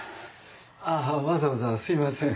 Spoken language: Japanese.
あぁわざわざすいません。